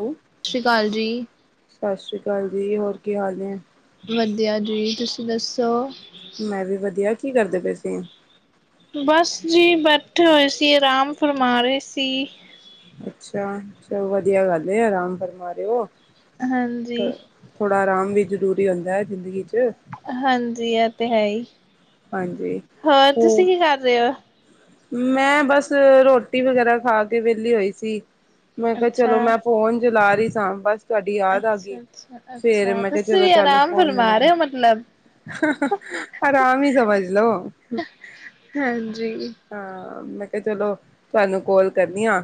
ਹੂੰ। ਸਤਿ ਸ਼੍ਰੀ ਅਕਾਲ ਜੀ। ਸਤਿ ਸ਼੍ਰੀ ਅਕਾਲ ਜੀ ਹੋਰ ਕੀ ਹਾਲ ਨੇ। ਵਧੀਆਂ ਜੀ ਤੁਸੀਂ ਦੱਸੋ। ਮੈਂ ਵੀ ਵਧੀਆ, ਕੀ ਕਰਦੇ ਪੇ ਸੀਂ। ਬਸ ਜੀ ਬੈਠੇ ਹੋਏ ਸੀ, ਅਰਾਮ ਫਰਮਾ ਰਹੇ ਸੀ। ਅੱਛਾ ਚਲੋ ਵਧੀਆ ਗੱਲ ਏ, ਆਰਾਮ ਫਰਮਾ ਰੇ ਔ। ਹਾਂਜੀ। ਥੋੜਾਂ ਅਰਾਮ ਵੀ ਜ਼ਰੂਰੀ ਹੁੰਦਾ ਐ ਜ਼ਿੰਦਗੀ 'ਚ। ਹਾਂਜੀ ਐ ਤੇ ਹੈ ਈ, ਹਾਂਜੀ ਹੋਰ ਹੋ ਤੁਸੀਂ ਕੀ ਕਰ ਰੇ ਔ। ਮੈਂ ਬਸ ਰੋਟੀ ਵਗ਼ੈਰਾ ਖਾਂ ਕੇ ਵਿਹਲੀ ਹੋਈ ਸੀ। ਮੈਂ ਕੇਯਾ ਅੱਛਾ। ਚਲੋ, ਮੈਂ ਫੋਨ ਚਲਾਰੀ ਸਾਂ, ਬਸ। ਤੁਆਡੀ ਯਾਦ ਆਗੀ, ਅੱਛਾ, ਅੱਛਾ, ਫੇਰ ਅੱਛਾ ਮੈਂ ਕੇਯਾ ਤੁਸੀਂ ਚਲੋ, ਵੀ ਚੱਲ ਆਰਾਮ ਫੋਨ ਮਿਲਾ ਫਰਮਾ ਲਾਂ। ਰਹੇ ਹੋ ਮਤਲਬ ਆਰਾਮ ਈ ਸਮਝ ਲੋ। ਹਾਂਜੀ। ਹਾਂ, ਮੈਂ ਕੇਯਾ ਚਲੋ ਤੁਆਨੂੰ ਕੋਲ ਕਰਨੀ ਆ।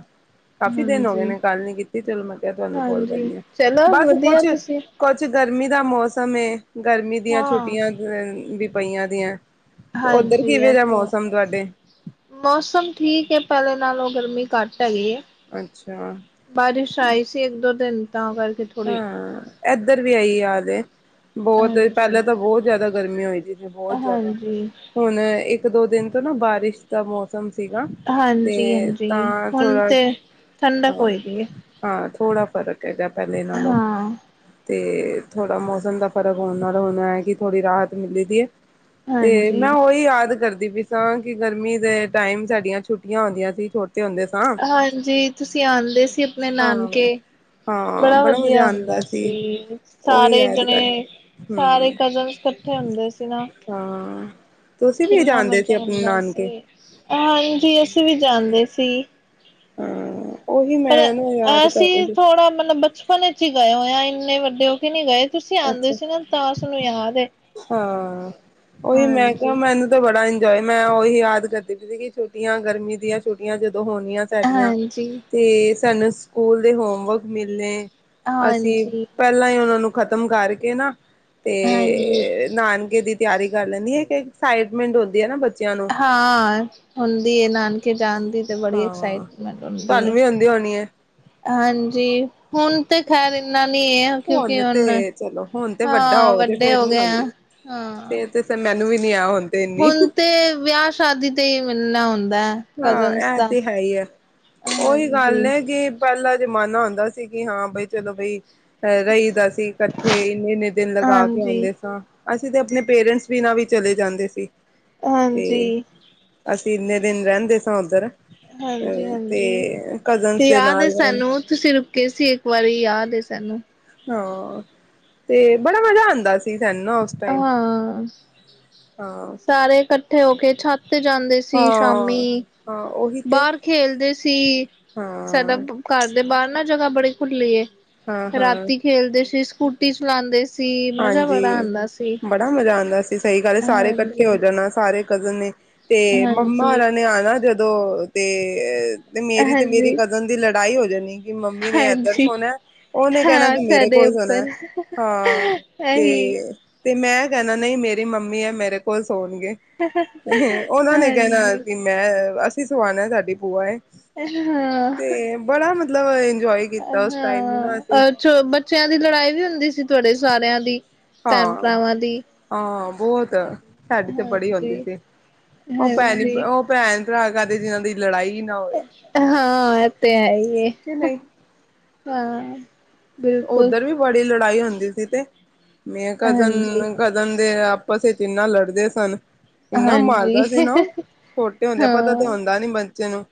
ਕਾਫੀ ਦਿਨ ਹੋਗਏ ਹਾਂਜੀ, ਨੇ ਗੱਲ ਨੀ ਕੀਤੀ ਚਲੋ, ਮੈਂ ਕੇਯਾ ਤੁਆਨੂੰ ਕੋਲ ਹਾਂਜੀ ਕਰਨੀ ਆ ਚਲੋ ਬਸ, ਵਧੀਆ ਕੁਛ ਤੁਸੀਂ ਕੋਛ ਗਰਮੀ ਦਾ ਮੌਸਮ ਏ, ਗਰਮੀ ਦੀਆਂ ਹਾਂ। ਛੁੱਟੀਆਂ ਵੀ ਪਈਆਂ ਦੀਆਂ। ਓਧਰ ਹਾਂਜੀ, ਕਿਵੇਂ ਇਹ ਦਾ ਤੇ ਮੌਸਮ ਤੁਆਡੇ? ਮੌਸਮ ਠੀਕ ਐ, ਪੈਲੇ ਨਾਲੋਂ ਗਰਮੀ ਘੱਟ ਹੈਗੀ ਏ। ਅੱਛਾ। ਬਾਰਿਸ਼ ਆਈ ਸੀ ਏਕ-ਦੋ ਦੇਨ, ਤਾਂ ਕਰਕੇ ਥੋੜੀ ਹਾਂ ਏਧਰ ਵੀ ਆਈ ਯਾ ਤੇ ਬੋਤ ਹਾਂਜੀ, ਪੈਲਾਂ ਤੇ ਬੋਤ ਜਾਦਾ ਗਰਮੀ ਹੋਈ ਦੀ ਸੀ। ਬਹੋਤ ਜਾਦਾ ਹਾਂਜੀ, ਹੁਣ ਏਕ-ਦੋ ਦਿਨ ਤੋਂ ਨਾ ਬਾਰਿਸ਼ ਦਾ ਮੌਸਮ ਸੀਗਾ, ਹਾਂਜੀ, ਤੇ ਹਾਂਜੀ ਤਾਂ ਹੁਣ ਥੋੜ੍ਹਾ, ਤੇ ਠੰਡਕ ਹਾਂ। ਹੋਈ ਦੀ ਏ, ਹਾਂ, ਥੋੜ੍ਹਾ ਫ਼ਰਕ ਹੈਗਾ ਪੈਲੇ ਨਾਲੋਂ। ਹਾਂ ਤੇ ਥੋੜ੍ਹਾ ਮੌਸਮ ਦਾ ਫਰਕ ਹੋਣ ਨਾਲੋਂ ਹੁਨ ਐਕਿ ਥੋੜ੍ਹੀ ਰਾਹਤ ਮਿਲੀ ਦੀ ਐ। ਤੇ ਹਾਂਜੀ। ਮੈਂ ਓਹੀ ਯਾਦ ਕਰਦੀ ਪੀ ਤਾਂ ਕਿ ਗਰਮੀ ਦੇ ਟਾਈਮ ਸਾਡੀਆਂ ਛੁੱਟੀਆਂ ਹੁੰਦੀਆਂ ਸੀ, ਛੋਟੇ ਹੁੰਦੇ ਸੀ ਹਾਂਜੀ, ਤੁਸੀਂ ਆਂਦੇ ਸੀ ਅਪਨੇ ਨਾਨਕੇ ਹਾਂ ਹਾਂ ਕਿੰਨਾ ਬੜਾ ਮਜ਼ਾ ਵਧੀਆ ਹੁੰਦਾ ਆਂਦਾ ਸੀ, ਉਹੀ ਸਾਰੇ ਯਾਦ ਜਣੇ ਕਰ ਸਾਰੇ ਹਮ ਕਜ਼ਨਸ ਕੱਠੇ ਹੁੰਦੇ ਸੀ ਨਾ। ਹਾਂ, ਤੁਸੀਂ ਵੀ ਕਿੰਨਾ ਜਾਨਦੇ ਮਜ਼ਾ ਸੀ ਅਪਨੇ ਆਂਦਾ ਨਾਨਕੇ? ਸੀ। ਹਾਂਜੀ, ਅਸੀਂ ਵੀ ਜਾਂਦੇ ਸੀ। ਹਾਂ ਉਹੀ ਅ ਮੈਂ ਨਾ ਅ ਯਾਦ ਅਸੀ ਕਰ ਰਹੀ ਸੀ ਥੋੜ੍ਹਾ ਮਤਲਬ ਬਚ ਬਚਪਨ ਚ ਈ ਗਏ ਹੋਏ ਆ, ਇੰਨੇ ਵੱਡੇ ਹੋ ਕੇ ਨੀਂ ਗਏ। ਤੁਸੀਂ ਆਂਦੇ ਅੱਛਾ ਸੀ ਨਾ ਤਾਂ ਸਾਨੂੰ ਯਾਦ ਏ। ਹਾਂ, ਓਈਓ ਮੈਂ ਕੇਯਾ ਹਾਂਜੀ। ਮੈਨੂੰ ਤੇ ਬੜਾ ਇੰਜੋਏ ਮੈਂ ਓਹੀ ਯਾਦ ਕਰਦੀ ਪਈ ਸੀ, ਕਿ ਛੁੱਟੀਆਂ ਗਰਮੀ ਦੀਆਂ ਛੁੱਟੀਆਂ ਜਦੋਂ ਹੋਣੀਆਂ ਸਾਡੀਆਂ, ਹਾਂਜੀ, ਤੇ ਸਾਨੂੰ ਸਕੂਲ ਦੇ ਹੋਮਵਰਕ ਮਿਲਨੇ- ਅਸੀਂ ਹਾਂਜੀ, ਪੈਲਾਂ ਈ ਓਨਾਂ ਨੂੰ ਖ਼ਤਮ ਕਰਕੇ ਨਾ ਤੇ ਹਾਂਜੀ। ਨਾਨਕੇ ਦੀ ਤਿਆਰੀ ਕਰ ਲੈਂਨੀ ਏਕ ਐਕਸਾਈਟਮੈਂਟ ਹੁੰਦੀ ਐ ਨਾ ਬੱਚੇਆਂ ਨੂੰ। ਹਾਂ, ਹੁੰਦੀ ਐ ਨਾਨ ਕੇ ਜਾਣ ਦੀ ਤਾਂ ਬੜੀ ਹਾਂ ਐਕਸਾਈਟਮੈਂਟ ਹੁੰਦੀ ਤੁਹਾਨੂੰ ਐ। ਵੀ ਹੁੰਦੀ ਹੋਣੀ ਹੈ ਹਾਂਜੀ, ਹੁਨ ਤੇ ਖੈਰ ਏਨਾ ਨੀਂ ਐ। ਕਿਉਂਕਿ ਹੁਣ ਤੇ ਚਲੋ ਹੁਣ ਤੇ ਵੱਡਾ ਹਾਂ, ਵੱਡੇ ਫੇਰ ਹੋ ਨੀ ਗਏ ਹੁੰਦੀ ਆਂ। ਤੇ ਫੇਰ ਮੈਨੂੰ ਵੀ ਨੀ ਐ, ਹੋਨ। ਹੁਨ ਤੇ ਵਿਯਾ, ਸ਼ਾਦੀ ਤੇ ਈ ਮੀਲਣਾ ਹੁੰਦੈ। ਹਾਂ, ਐ ਤੇ ਹੈਈ ਐ, ਓਹੀ ਹਾਂਜੀ, ਗੱਲ ਏ ਕਿ ਪੈਲਾਂ ਜਮਾਨਾ ਹੁੰਦਾ ਸੀ, ਕਿ ਹਾਂ ਬਈ ਚਲੋ, ਬਈ ਰਈ ਦਾ ਸੀ ਕੱਠੇ ਇੰਨੇ-ਇੰਨੇ ਦਿਨ ਲਗਾ ਕੇ ਹਾਂਜੀ, ਆਂਦੇ ਸਾਂ। ਅਸੀ ਤੇ ਅਪਨੇ ਪੇਰੈਂਟਸ ਬਿਨਾ ਵੀ ਚਲੇ ਜਾਂਦੇ ਸੀ, ਤੇ ਹਾਂਜੀ। ਅਸੀ ਇੰਨੇ ਦਿਨ ਰੈਂਦੇ ਸਾਂ ਓਧਰ। ਤੇ ਹਾਂਜੀ-ਹਾਂਜੀ। ਕਜਨਸ ਤੇ ਦੇ ਯਾਦ ਏ ਨਾਲ ਸਾਨੂੰ ਤੁਸੀਂ ਰੁਕੇ ਸੀ, ਏਕ ਵਾਰੀ ਯਾਦ ਏ ਸਾਨੂੰ। ਹਾਂ, ਤੇ ਬੜਾ ਮਜਾ ਆਂਦਾ ਸੀ ਤਸਾਨੂੰ, ਨਾ ਉਸ ਟਾਈਮ ਅਹਾਂ, ਹਾਂ ਸਾਰੇ ਕੱਠੇ ਹੋ ਕੇ ਛੱਤ ਤੇ ਜਾਂਦੇ ਸੀ ਸ਼ਾਮੀ ਹਾਂ ਹਾਂ ਉਹੀ ਤੇ ਬਾਰ ਖੇਲਦੇ ਸੀ, ਹਾਂ ਸਾਡਾ ਘਰ ਦੇ ਬਾਰ ਨਾ ਜਗ੍ਹਾ ਬੜੀ ਖੁੱਲੀ ਏ, ਹਾਂ ਹਾਂ ਰਾਤੀ ਖੇਲਦੇ ਸੀ ਸਕੂਟੀ ਚਲਾਂਦੇ ਸੀ। ਮਜ਼ਾ ਬੜਾ ਹਾਂਜੀ, ਆਉਂਦਾ ਸੀ ਬੜਾ ਮਜ਼ਾ ਆਂਦਾ ਸੀ ਸਈ ਗੱਲ ਈ ਸਾਰੇ ਕੱਠੇ ਹਾਂਜੀ ਹੋ ਜਾਨਾ ਸਾਰੇ ਕਜ਼ਨ ਨੇ। ਤੇ ਮੰਮਾ ਹਾਂਜੀ ਹੁਨਾ ਨੇ ਆਨਾ ਜਦੋਂ ਤੇ ਮੇਰੀ ਤੇ ਮੇਰੀ ਹਾਂਜੀ ਕਜ਼ਨ ਦੀ ਲੜ ਲੜਾਈ ਹੋ ਜਾਨੀ। ਕੇ ਮੰਮੀ ਨੇ ਏਦਰ ਹਾਂਜੀ ਸੋਨਾ, ਓਨੇ ਕੈਨਾ ਹਾਂ ਕੇ ਮੇਰੇ ਸਾਡੇ ਕੋਲ ਸੋਨਾ, ਉੱਪਰ ਹਾਂ। ਇਹੀ ਤੇ-ਤੇ ਮੈਂ ਕੈਨਾ ਨਈ ਮੇਰੀ ਮੰਮੀ ਐ ਮੇਰੇ ਕੋਲ ਸੋਨਗੇ। ਹ ਓਨਾਂ ਨੇ ਕੈਨਾ ਹਾਂਜੀ ਕੇ ਮੈਂ ਅਸੀਂ ਸਵਾਨਾ ਸਾਡੀ ਭੂਆ ਐ। ਹਾਂ ਤੇ ਬੜਾ ਮਤਲਬ ਇੰਜੋਏ ਕੀਤਾ ਉਸ ਟਾਈਮਾਂ ਤੇ ਚ ਬੱਚੇਆਂ ਦੀ ਲੜਾਈ ਵੀ ਹੁੰਦੀ ਸੀ ਤੁਆਡੇ ਸਾਰੇਆਂ ਦੀ ਭੈਨ ਹਾਂ, ਭਰਾਵਾਂ ਦੀ। ਹਾਂ ਬੋਤ ਸਾਡੀ ਤੇ ਬੜੀ ਹਾਂਜੀ ਹੁੰਦੀ ਸੀ ਓ ਭੈਣ ਨੀ ਹਾਂਜੀ ਓ ਭੈਨ ਭਰਾ ਕਾਦੇ ਜਿਨਾਂ ਦੀ ਲੜਾਈ ਨਾ ਹੋਵੇ ਹਾਂ ਐ ਤੇ ਹੈਈ ਏ, ਕਿ ਨਹੀਂ। ਹਾਂ। ਬਿਲਕੁਲ ਓਦਰ ਵੀ ਬੜੀ ਲੜਾਈ ਹੁੰਦੀ ਸੀ ਤੇ, ਮੈਂ ਹਾਂਜੀ ਕਜ਼ਨ ਕਜਨ ਦੇ ਆਪਸ ਵਿਚ ਇਨਾ ਲੜਦੇ ਸਨ। ਇੰਨਾ ਹਾਂਜੀ ਮਾਰਦਾ ਸੀ ਨਾ ਛੋਟੇ ਹੁੰਦੇ ਆ ਪਤਾ ਤੇ ਹਾਂ ਹੁੰਦਾ ਨੀ ਬੱਚੇ ਨੂੰ।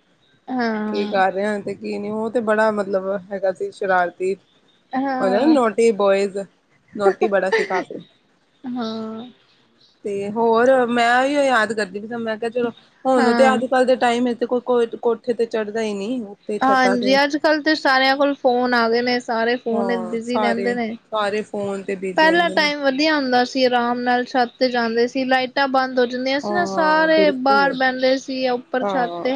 ਹਾਂ। ਕੀ ਕਰ ਰਹੇ ਹਨ ਤੇ ਕੀ ਨੀ ਓ ਤੇ ਬੜਾ ਮਤਲਬ ਹੈਗਾ ਸੀ ਸ਼ਰਾਰਤੀ ਓਦੇ ਨਾ ਹਾਂ ਨੋਟੀ ਬੋਇਜ਼, ਨੋਟੀ ਬੜਾ ਸੀ ਕਾਫੀ। ਹਾਂ। ਤੇ ਹੋਰ ਮੈਂ ਵੀ ਓ ਯਾਦ ਕਰ ਦਿਖਦਾ ਮੈਂ ਕਿਆ ਚਲੋ ਹੁਨ ਤੇ ਹਾਂ ਅੱਜ-ਕੱਲ ਦੇ ਟਾਈਮ ਵਿੱਚ ਕੋਈ ਕੋ ਕੋਠੇ ਤੇ ਚੜਦਾ ਈ ਨਈਂ। ਹਾਂਜੀ, ਅੱਜ-ਕੱਲ ਤੇ ਸਾਰੇਆਂ ਕੋਲ ਫੋਨ ਆ ਗੇ ਨੇ। ਸਾਰੇ ਫੋਨ ਵਿਚ ਹਾਂ ਬਿਜੀ ਸਾਰੇ ਰੈਂਦੇ ਨੇ, ਸਾਰੇ ਫੋਨ ਤੇ ਬਿਜੀ ਪੈਲਾਂ ਹੁੰਦੇ ਨੇ ਟੈਮ ਵਦ ਵਦੀਆ ਹੁੰਦਾ ਸੀ ਅਰਾਮ ਨਾਲ ਛੱਤ ਤੇ ਜਾਂਦੇ ਸੀ ਲਾਈ ਟਾਂ ਬੰਦ ਹੋ ਜਾਂਦੀਆਂ ਸੀ ਨਾ ਹਾਂ ਸਾਰੇ ਬਾਰ ਬਿਲਕੁਲ ਬੈਂਦੇ ਸੀ ਉੱਪਰ ਛੱਤ ਹਾਂ,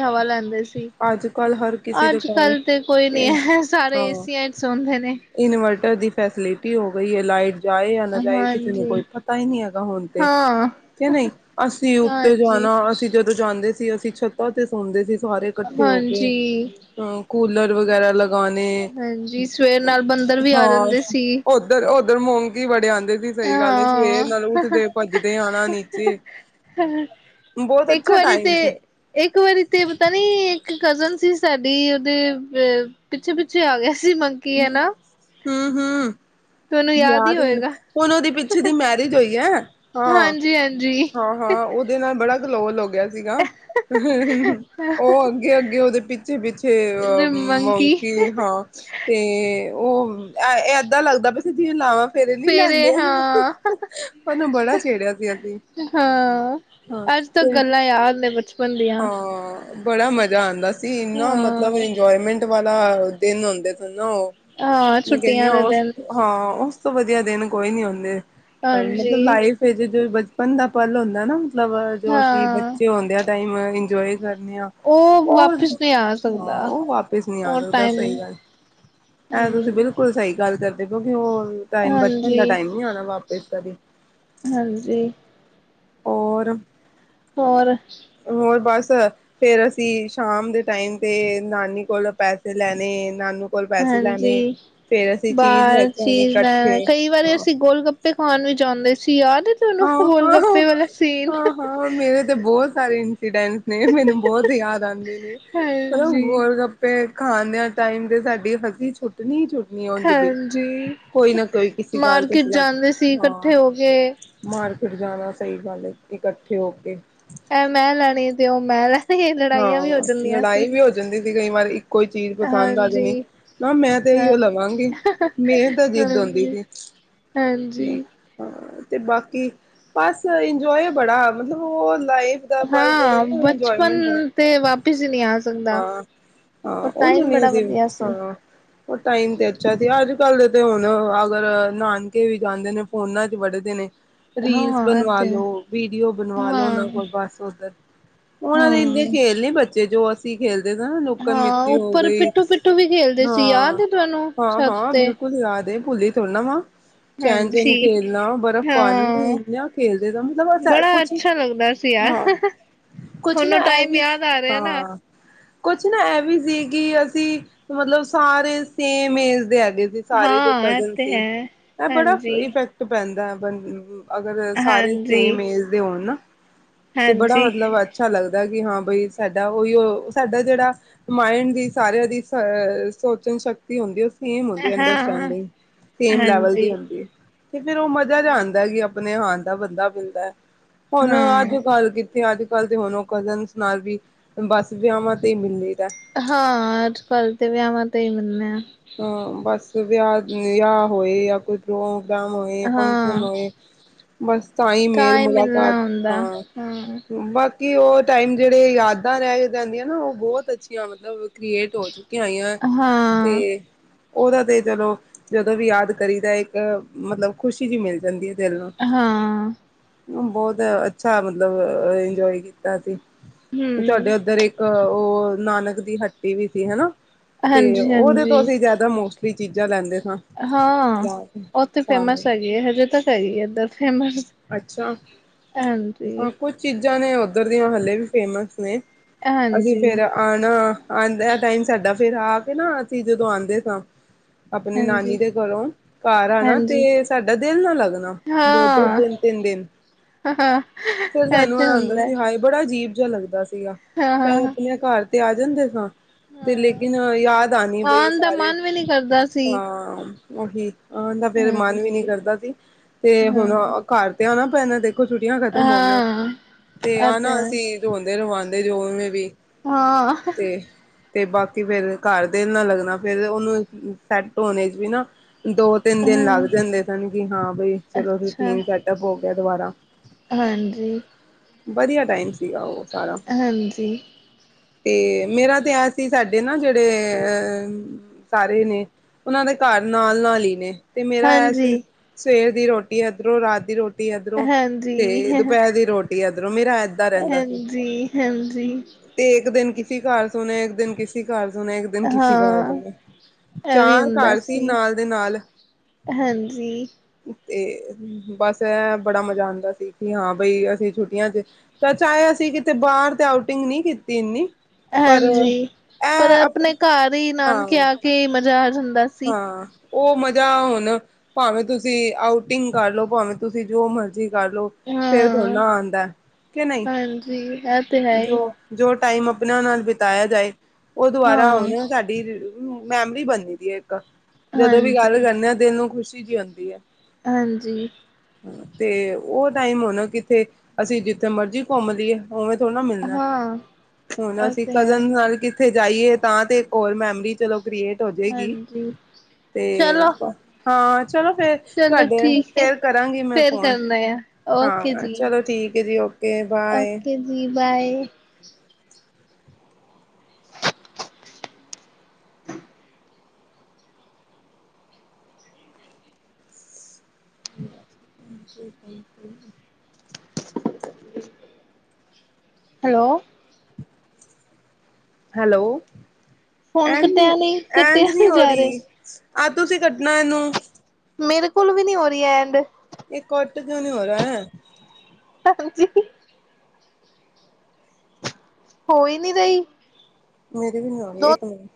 ਅੱਜ-ਕੱਲ ਹਰ ਕਿਸੇ ਦੇ ਘਰ ਅੱਜ-ਕੱਲ ਤੇ ਕੋਈ ਨੀ ਇਹ ਐ ਸਾਰੇ ਏਸੀਆਂ ਚ ਸੌਂਦੇ ਨੇ। ਇਨਵਟਰ ਦੀ ਫੈਸਲਿਟੀ ਹੋ ਗਈ ਐ ਲਾਈਟ ਜਾਏ ਜਾਂ ਨਾ ਜਾਏ ਕਿਸੇ ਨੂੰ ਕੋਈ ਹਾਂਜੀ ਪਤਾ ਈ ਨਈਂ ਹੈਗਾ ਹੁਨ ਤੇ ਹਾਂ, ਕੇ ਨਈਂ ਅਸੀਂ ਉੱਤੇ ਹਾਂਜੀ, ਜਾਨਾ ਅਸੀਂ ਜ ਜਦੋਂ ਜਾਂਦੇ ਸੀ ਅਸੀਂ ਛੱਤਾਂ ਤੇ ਸੋਂਦੇ ਸੀ ਸਾਰੇ ਇਕੱਠੇ ਹੋ ਕੇ। ਹਾਂਜੀ। ਹੂੰ ਕੂਲਰ ਵਗੈਰਾ ਲਗਾਨੇ ਹਾਂਜੀ, ਸਵੇਰ ਨਾਲ ਬੰਦਰ ਵੀ ਹਾਂ ਆ ਜਾਂਦੇ ਸੀ, ਓ ਓਦਰ-ਓਦਰ ਮੋਂਕੀ ਬੜੇ ਆਂਦੇ ਸੀ ਸਈ ਗੱਲ ਏ ਸਵੇਰ ਹਾਂ। ਨਾਲ ਉੱਠਦੇ ਭੱਜਦੇ ਆਨਾ ਨੀਚੇ ਬੋਤ ਇੱਕ ਅੱਛਾ ਵਾਰੀ ਟਾਈਮ ਤੇ ਸੀ। ਇੱਕ ਵਾਰੀ ਤੇ ਪਤਾ ਨੀ ਇੱਕ ਕਜ਼ਨ ਸੀ ਸਾਡੀ ਓਦੇ ਪਿੱਛੇ-ਪਿੱਛੇ ਆ ਗਿਆ ਸੀ ਮੰ ਹੂੰ-ਹੂੰ-ਹੂੰ ਤੁਹਾਨੂੰ ਹੀ ਯਾਦ ਮੈਨੂੰ ਹੋਏਗਾ। ਹੁਨ ਓਦੇ ਪਿੱਛੇ ਦੀ ਮੈਰਿਜ ਹੋਈ ਐ ਹਾਂ- ਹਾਂਜੀ-ਹਾਂਜੀ, ਹਾਂ-ਹਾਂ ਓਦੇ ਨਾਲ ਬੜਾ ਕਲੋਲ ਹੋ ਗੇਆ ਸੀਗਾ। ਓ ਅੱਗੇ-ਅੱਗੇ ਓਦੇ ਪਿੱਛੇ-ਪਿੱਛੇ ਅ ਮੰਕੀ ਮੋਂਕੀ ਹਾਂ ਤੇ ਓ ਐ ਐਦਾਂ ਲੱਗਦਾ ਪੇਆ ਸੀ ਜਿਵੇਂ ਲਾਵਾਂ ਫੇਰੇ ਨੀ ਫੇਰ ਲੈਂਨ ਏ ਹਾਂ, ਦੇਆ ਓਨੂੰ ਬੜਾ ਛੇੜਿਆ ਸੀ ਅਸੀਂ। ਹਾਂ ਹਾਂ ਅੱਜ ਤਕ ਤੇ ਗੱਲਾਂ ਯਾਦ ਨੇ ਬਚ ਹਾਂ। ਬੜਾ ਮਜ਼ਾ ਆਂਦਾ ਸੀ। ਏਨਾ ਮਤਲਬ ਹਾਂ। ਇੰਜੋਏਮੈਂਟ ਵਾਲਾ ਦਿਨ ਹੁੰਦੇ ਸਨ ਨਾ ਓ। ਹਾਂ, ਮੈਂ ਕਹਿੰਨੀ ਛੁੱਟੀਆਂ ਆ ਦੇ ਓਸ ਦਿਨ, ਹਾਂ। ਓਸ ਤੋਂ ਵਧੀਆ ਦਿਨ ਕੋਈ ਨੀ ਹੁੰਦੇ। ਮਤਲਬ ਹਾਂਜੀ, ਲਾਈਫ ਚ ਜੋ ਬਚਪਨ ਦਾ ਪਲ ਹੁੰਦਾ ਨਾ ਮਤਲਬ ਜੋ ਅਸੀ ਹਾਂ। ਬੱਚੇ ਹੁੰਦੇ ਆ ਟਾਈਮ ਇੰਜੋਏ ਕਰਨੇ ਆਂ। ਉਹ ਓ ਵਾਪਿਸ ਨਹੀਂ ਆ ਹਾਂ ਸਕਦਾ ਓ ਵਾਪਿਸ ਨੀ ਆ ਉਹ ਸਕਦਾ। ਸਹੀ ਟਾਈਮ ਗੱਲ ਐਂ ਤੁਸੀ ਹਮ ਬਿਲਕੁਲ ਸਹੀ ਗੱਲ ਕਰਦੇ ਪੇਓ ਕਿ ਓ ਟਾਈਮ ਬਚਪਨ ਦਾ ਹਾਂਜੀ ਟਾਈਮ ਨੀ ਆਉਣਾ ਵਾਪਿਸ ਕਦੀ। ਹਾਂਜੀ। ਹੋਰ। ਹੋਰ। ਹੋਰ ਬਸ। ਫੇਰ ਅਸੀ ਸ਼ਾਮ ਦੇ ਟਾਈਮ ਤੇ ਨਾਨੀ ਕੋਲੋਂ ਪੈਸੇ ਲੈਣੇ ਨਾਨੂ ਕੋਲ ਪੈਸੇ ਲੈਣੇ ਹਾਂਜੀ। ਫੇਰ ਅਸੀਂ ਚੀਜ਼ ਲੈ ਬਸ ਕੇ ਆਉਣੀ ਚੀਜ਼ ਲੈ ਇਕੱਠੇ ਕਈ ਵਾਰੀ ਹਾਂ ਅਸੀ ਗੋਲ ਗੱਪ ਪੇ ਖਾਣ ਵੀ ਜਾਂਦੇ ਸੀ। ਯਾਦ ਏ ਤਾਨੂੰ ਹਾਂ ਗੋਲ ਹਾਂ ਗੱਪੇ ਵਾਲਾ ਸੀਨ। ਹਾਂ ਹਾਂ ਮੇਰੇ ਤੇ ਬੋਤ ਸਾਰੇ ਇੰਸੀਡੈਂਟ ਨਈ ਮੈਨੂੰ ਬੋਤ ਯਾਦ ਆਂਦੀ ਰਈ ਮਤਲਬ ਹਾਂਜੀ ਗੋਲ ਗਪ ਗੱਪੇ ਖਾਂਦੇਆ ਟਾਈਮ ਤੇ ਸਾਡੀ ਹਸੀ ਛੁੱਟਣੀ ਛੁਟ ਹਾਂਜੀ। ਕਿਸੇ ਗੱਲ ਤੋਂ ਮਾਰਕਿਟ ਸਿਲੈਕਟ ਜਾਂਦੇ ਸੀ ਹਾਂ ਕੱਠੇ ਹੋ ਕੇ। ਮਾਰਕੀਟ ਜਾਣਾ ਸਹੀ ਗੱਲ ਏ ਇਕੱਠੇ ਹੋ ਕੇ। ਐ ਮੈਂ ਲੈਣੀ ਤੇ ਓ ਮੈਂ ਲੈਣੀ ਲੜਾਈਆਂ ਵੀ ਹੋ ਜਾਂਦੀਆਂ ਸੀ। ਦਿਂਦੀ ਸੀ। ਕਈ ਵਾਰ ਇੱਕੋ ਈ ਚੀਜ਼ ਪਸੰਦ ਆ ਜਾਣੀ। ਹਾਂਜੀ ਨਾ ਮੈਂ ਤੇ ਹਾਂ ਅਈਓ ਲਵਾਂਗੀ ਮੇਰੀ ਤਾਂ ਜਿੱਦ ਹੋਂਦੀ ਹਾਂਜੀ ਸੀ। ਹਾਂਜੀ। ਹਾਂ। ਤੇ ਬਾਕੀ ਬਸ ਇੰਜੋਏ ਬੜਾ ਮਤਲਬ ਓ ਹੁੰਦਾਂ ਏ ਹਾਂ ਬਚਪਨ ਤੇ ਵਾਪਿਸ ਈ ਨਈ ਆ ਸਕਦਾ। ਹਾਂ ਓ ਟਾਈਮ ਬੜਾ ਵਧੀਆ ਸੀ। ਹ ਓ ਟਾਈਮ ਤੇ ਅੱਛਾ ਸੀ। ਅੱਜ ਕੱਲ ਦੇ ਤੇ ਹੁਣ ਅਗਰ ਨਾਨਕੇ ਵੀ ਜਾਂਦੇ ਨੇ ਫੋਨਾਂ ਚ ਵੜੇ ਦੇ ਨੇ। ਰੀਲਸ ਹਾਂ ਇਹ ਬਣਵਾ ਤੇ ਹੈ ਲੋ, ਵੀਡੀਓ ਬਣਵਾ ਲੋ ਓਨਾ ਹਾਂ। ਕੋਲ ਬਸ ਓਧਰ। ਔਨਾਂ ਨੇ ਏਨੇ ਹਾਂ ਪੇਲੇ ਬੱਚੇ ਜੋ ਅਸ ਅਸੀ ਖੇਲਦੇ ਸਾ ਨਾ ਲੋਕਨ ਹਾਂ ਮਿੱਟੀ ਹੋ ਉੱਪਰ ਗਈ। ਪਿੱਠੂ ਪਿੱਠੂ ਵੀ ਖੇਲਦੇ ਸੀ ਹਾਂ। ਯਾਦ ਹੈ ਤੁਹਾਨੂੰ ਹਾਂ ਛੱਤ ਹਾਂ ਤੇ ਬਿਲਕੁਲ ਯਾਦ ਏ ਭੁੱਲੀ ਥੋੜਾ ਨਾ ਵਾਂ। ਚੈਨ ਹਾਂਜੀ ਚੁਨ ਖੇਲਣਾ, ਬਰਫ਼ ਪਾਣੀ ਹਾਂ ਇਨਾ ਖੇਲਦੇ ਸਾਂ। ਮਤਲਬ ਅਸ ਕੁਛ ਪਿਆ। ਹਾਂ ਕੁਛ ਨਾ ਐ ਵੀ ਹਾਂ। ਕੁਛ ਨਾ ਐ ਵੀ ਸੀ ਕਿ ਅਸੀ ਮਤਲਬ ਸਾਰੇ ਸੇਮ ਏਜ ਦੇ ਹੈਗੇ ਸੀ। ਸਾਰੇ ਜੋ ਹਾਂ ਇਹ ਕਜ਼ਨ ਤੇ ਸੀ। ਹੈ ਐ ਬੜਾ ਹਾਂਜੀ ਇਫੈਕਟ ਪੈਂਦਾ ਐ ਬੰਦ ਅਗਰ ਸਾਰੇ ਸੇਮ ਹਾਂਜੀ ਏਜ ਦੇ ਹੋਣ ਨਾ। ਤੇ ਬੜਾ ਹਾਂਜੀ ਮਤਲਬ ਅੱਛਾ ਲੱਗਦਾ ਕਿ ਹਾਂ ਬਈ ਸਾਡਾ ਔਈਓ ਸਾਡਾ ਜੇੜਾ ਮਾਇੰਡ ਦੀ ਸਾਰੇਆਂ ਦੀ ਸ ਸੋਚਣ ਸ਼ਕਤੀ ਹੁੰਦੀ ਓ ਸੇਮ ਹੁੰਦੀ ਹਾਂ ਅੰਡਰਸਟੈਂਡਿੰਗ। ਸੇਮ ਲੈਵਲ ਹਾਂਜੀ ਦੀ ਹੁੰਦੀ ਏ। ਤੇ ਫੇਰ ਓ ਮਜ਼ਾ ਜਿਆ ਆਂਦਾ ਐ ਕਿ ਅਪ ਅਪਣੇ ਹਾਣ ਦਾ ਬੰਦਾ ਮਿਲਦਾ ਐ। ਹੁਣ ਅੱਜ ਹਾਂ ਕਲ ਕਿ ਤੇ ਅੱਜ ਕੱਲ੍ਹ ਤੇ ਹੁਣ ਓ ਕਜ਼ਨਸ ਨਾਲ ਵੀ ਬੱਸ, ਵਿਆਹਵਾਂ ਤੇ ਈ ਮਿਲੀ ਦਾ ਹਾਂ, ਅੱਜ ਕੱਲ੍ਹ ਤੇ ਵਿਆਹਵਾਂ ਤੇ ਹੀ ਮਿਲਨੇ ਹਾਂ, ਬਸ ਵਿਆਹ-ਵਿਆਹ ਹੋਏ ਯਾ ਕੋਈ ਪ੍ਰੋਗਰਾਮ ਹੋਏ, ਫੰਕਸ਼ਨ ਹਾਂ ਹੋਏ ਬਸ ਤਾਂਈ ਤਾਂ ਮੇਲ ਹੀ ਮਿਲਣਾ ਮੁਲਾਕਾਤ ਹੁੰਦਾ ਹਾਂ ਬਸ ਕਿ ਓ ਟਾਈਮ ਜੇੜੇ ਯਾਦਾਂ ਰਹਿ ਜਾਂਦੀਆਂ ਨਾ ਓ ਬੋਤ ਅੱਛੀਆਂ ਮਤਲਬ ਕਰੇਟ ਹੋ ਚੁੱਕੀਆਂ ਹੋਈਆਂ ਹਾਂ ਹਾਂ ਤੇ ਓਹਦਾ ਤੇ ਚਲੋ, ਜਦੋਂ ਵੀ ਯਾਦ ਕਰੀਦੈ, ਇੱਕ ਮਤਲਬ ਖੁਸ਼ੀ ਜਿਹੀ ਮਿਲ ਜਾਂਦੀ ਆ, ਦਿਲ ਨੂੰ ਹਾਂ ਬੋਤ ਅੱਛਾ ਮਤਲਬ ਇੰਜੋਏ ਕੀਤਾ ਸੀ, ਤੇ ਤੁਆਡੇ ਉੱਧਰ ਇੱਕ ਅ ਓ, ਨਾਨਕ ਦੀ ਹੱਟੀ ਵੀ ਸੀ, ਹੇਨਾ ਤੇ ਹਾਂਜੀ ਓਦੇ ਹਾਂਜੀ ਏਦਾ ਮੋਸਟਲੀ ਚੀਜ਼ਾਂ ਲੈਂਦੇ ਹਾਂ, ਜਾ ਕੇ ਓ ਤੇ ਸ਼ਾਮ ਫੇਮਸ ਨੂੰ। ਹੈਗੀ ਏ, ਹਜੇ ਤੱਕ ਹੈਗੀ ਏ, ਏਧਰ ਫੇਮਸ ਅੱਛਾ, ਹਾਂ ਹਾਂਜੀ ਕੁਛ ਚੀਜ਼ਾਂ ਨੇ ਓਧਰ ਦੀਆਂ ਹਲੇੇ ਵੀ ਫੇਮਸ ਨੇ ਅਸੀਂ ਹਾਂਜੀ ਫੇਰ ਆਣਾ, ਆਂਦਿਆਂ ਟਾਈਮ ਸਾਡਾ ਫਿਰ ਆ ਕੇ ਨਾ ਅਸੀਂ ਜਦੋਂ ਆਂਦੇ ਸਾਂ ਆਪਨੀ ਨਾਨੀ ਹਾਂਜੀ ਦੇ ਘਰੋਂ ਘਰ ਆਨਾ, ਹਾਂਜੀ ਤੇ ਸਾਡਾ ਦਿਲ ਨਾ ਲੱਗਨਾ, ਦੋ-ਦੋ ਹਾਂ ਤਿੰਨ-ਤਿੰਨ ਦਿਨ, ਹਾਂ ਫਿਰ ਇਹ ਸਾਨੂੰ ਤੇ ਆਏ ਹੁੰਦਾ ਸੀ, ਹਾਏ ਬੜਾ ਅਜੀਬ ਜਿਆ ਲੱਗਦਾ ਸੀਗਾ, ਹਾਂ ਹਾਂ ਚਾਹੇ ਅਪਨੇ ਘਰ ਤੇ ਆ ਜਾਂਦੇ ਸਾਂ ਤੇ ਹਾਂ ਲੇਕਿਨ ਯਾਦ ਆਨੀ ਬਈ ਆਉਣ ਦਾ ਸਾਰੇ, ਮਨ ਵੀ ਨੀ ਕਰਦਾ ਸੀ ਹਾਂ ਉਹੀ, ਆਨਦਾ ਫੇਰ ਮਨ ਵੀ ਨੀ ਹਾਂਜੀ ਕਰਦਾ ਸੀ, ਤੇ ਹਾਂ ਹੁਣ ਘਰ ਤੇ ਆਨਾ ਪੈਨੇ ਦੇ ਦੇਖੋ ਛੁੱਟੀਆਂ ਖ਼ਤਮ ਹੋ ਗਈਆਂ, ਹਾਂ ਤੇ ਆ ਇਹ ਨਾ ਹੈ ਅਸੀਂ ਰੋਂਦੇ ਰਵਾਨਦੇ ਜੋਵੇਂ ਵੀ ਹਾਂ! ਤੇ ਤੇ ਬਾਕੀ ਫੇਰ ਘਰ ਦਿਲ ਨਾ ਲੱਗਨਾ, ਫਿਰ ਉਨੁ ਸੈੱਟ ਹੋਨੇ 'ਚ ਵੀ ਨਾ ਦੋ ਤਿੰਨ ਦਿਨ ਹਮ ਲਗ ਜਾਂਦੇ ਸਨ, ਕਿ ਹਾਂ ਬਈ ਚਲੋ ਅੱਛਾ ਰੂਟੀਨ ਸੈੱਟਪ ਹੋ ਗਿਆ ਦੁਬਾਰਾ, ਹਾਂਜੀ ਵਧੀਆ ਟਾਈਮ ਸੀਗਾ ਓ ਸਾਰਾ ਹਾਂਜੀ ਤੇ, ਮੇਰਾ ਤੇ ਏ ਸੀ, ਸਾਡੇ ਨਾ ਜੇੜੇ ਅਹ ਸਾਰੇ ਨੇ, ਉਨਾਂ ਦੇ ਘਰ ਨਾਲ-ਨਾਲ ਈ ਨੇ ਤੇ ਮੇਰਾ ਏ ਹਾਂਜੀ ਸੀ, ਸਵੇਰ ਦੀ ਰੋਟੀ ਏਧਰੋਂ, ਰਾਤ ਦੀ ਰੋਟੀ ਏਧਰੋਂ, ਹਾਂਜੀ ਤੇ ਦੁਪੈਰ ਦੀ ਰੋਟੀ ਏਧਰੋਂ ਮੇਰਾ ਏਦਾਂ ਰਹਿੰਦਾ ਸੀ ਹੈਂਜੀ ਹੈਂਜੀ! ਤੇ ਇੱਕ ਦਿਨ ਕਿਸੀ ਘਰ ਸੁਨੇ, ਇੱਕ ਦਿਨ ਕਿਸੀ ਘਰ ਸੁਣੇ ਇੱਕ ਦਿਨ ਕਿਸੀ, ਹਾਂ ਘਰ ਪੈਣਾ, ਇਹ ਵੀ ਚਾਰ ਘਰ ਸੀ ਨਾਲ-ਨਾਲ ਹੈਂਜੀ! ਤੇ ਬਸ ਏ, ਬੜਾ ਮਜ਼ਾ ਆਂਦਾ ਸੀ, ਕਿ ਹਾਂ ਬਈ ਅਸੀਂ ਛੁੱਟੀਆਂ 'ਚ ਤਾਂ ਚਾਏ, ਅਸੀਂ ਕਿਤੇ ਬਾਰ ਤੇ ਆਊਟਿੰਗ ਨੀ ਕੀਤੀ ਇੰਨੀ ਪਰ ਹੈਂਜੀ! ਪਰ ਇਹ ਅਪਨੇ ਘਰ ਈ ਹਾਂ ਨਾਨਕੇ ਆ ਕੇ ਈ ਮਜ਼ਾ ਆ ਜਾਂਦਾ ਸੀ ਹਾਂ! ਓ ਮਜ਼ਾ ਹੁਨ, ਭਾਵੇਂ ਤੁਸੀਂ ਆਊਟਿੰਗ ਕਰਲੋ, ਭਾਵੇਂ ਤੁਸੀਂ ਜੋ ਮਰਜ਼ੀ ਕਰਲੋ ਫਿਰ ਹਾਂ ਥੋੜੀਨਾ ਆਂਦਾ, ਕਿ ਨਈ, ਹਾਂਜੀ ਇਹ ਤੇ ਹੈ ਹੀ ਜੋ ਟਾਈਮ ਅਪਨਿਆ ਨਾਲ ਬਿਤਾਇਆ ਜਾਏ, ਓ ਦੁਵਾਰਾ ਹਾਂ ਓ ਨੀ ਸਾਡੀ ਮੈਮਰੀ ਬਨਦੀ ਏ ਇੱਕ, ਜਦੋਂ ਵੀ ਗੱਲ ਹਾਂਜੀ ਕਰਨੇ ਆ ਦਿਲ ਨੂੰ ਖੁਸ਼ੀ ਜੀ ਆਂਦੀ ਏ ਹਾਂਜੀ! ਹਾਂ ਤੇ ਓ ਟਾਈਮ ਹੁਨ ਕਿੱਥੇ, ਅਸੀਂ ਜਿੱਥੇ ਮਰਜੀ ਘੁੰਮ ਲੀਏ ਉਵੇਂ ਥੋੜਾ ਨਾ ਮਿਲਨਾ, ਹਾਂ ਹੁਨ ਉਹ ਅਸੀਂ ਤੇ ਹੈ ਕਜ਼ਨ ਨਾਲ ਕਿੱਥੇ ਜਾਈਏ ਤਾਂ ਤੇ, ਇੱਕ ਔਰ ਮੈਮਰੀ ਚਲੋ ਕ੍ਰੀਏਟ ਹੋ ਜਾਏਗੀ। ਹਾਂਜੀ! ਤੇ ਚਲੋ [unintelligible] ਹਾਂ ਚਲੋ ਫੇਰ ਚਲੋ ਤੁਆਡੇ ਠੀਕ ਹੈ ਫਿਰ ਕਰਾਂਗੀ ਮੈਂ ਫੇਰ ਫੋਨ, ਕਰਨਾ ਆ ਓਕੇ ਹਾਂ ਜੀ ਚਲੋ ਠੀਕ ਏ ਜੀ, ਓਕੇ ਬਾਏ ਓਕੇ ਜੀ ਬਾਏ! [inaudible] ਠੀਕ -ਠੀਕ। [unintelligible] ਹੈਲੋ! ਹੈਲੋ! ਫੋਨ ਐਂਨੀ ਕੱਟਿਆ ਨਹੀਂ ਐਂਨਡ ਕੱਟਿਆ ਨੀ ਨਹੀਂ ਹੋ ਜਾ ਰਹੀ ਰਿਹਾ ਆਹ, ਤੁਸੀਂ ਕੱਢਨਾ ਇਹਨੂੰ ਮੇਰੇ ਕੋਲੋਂ ਵੀ ਨੀ ਹੋ ਰਹੀ, ਐਂਡ ਇਹ ਕੁੱਟ ਕਿਉਂ ਨੀ ਹੋ ਰਿਹਾ? ਹਾਂਜੀ। ਹੋ ਈ ਨੀ ਰਹੀ। ਮੇਰੇ ਵੀ ਨੀ ਹੋ ਰਹੀ ਦੋ ਇਕ ਮਿੰਟ।